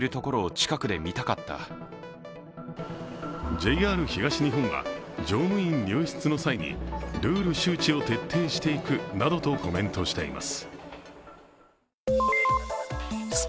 ＪＲ東日本は乗務員入室の際にルール周知を徹底していくなどとコメントしています。